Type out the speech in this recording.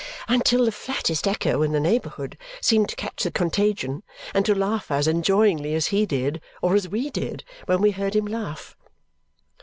until the flattest echo in the neighbourhood seemed to catch the contagion and to laugh as enjoyingly as he did or as we did when we heard him laugh.